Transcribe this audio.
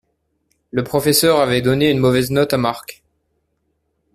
Le professeur avait donné une mauvaise note à Mark.